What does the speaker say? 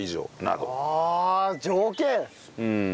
うん。